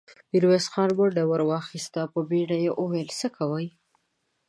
ميرويس خان منډه ور واخيسته، په بيړه يې وويل: څه کوئ!